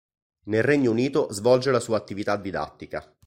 Nel Regno Unito svolge la sua attività didattica.